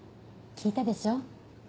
聞いたでしょ？